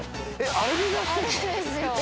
あれですよ。